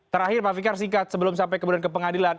terakhir pak fikar singkat sebelum sampai kemudian ke pengadilan